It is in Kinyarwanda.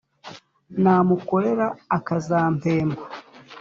Namukorera akazampemba.